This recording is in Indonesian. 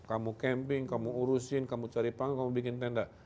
kamu camping kamu urusin kamu cari pangkal kamu bikin tenda